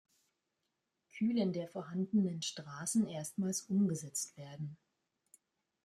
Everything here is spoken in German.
Kühlen der vorhandenen Straßen erstmals umgesetzt werden.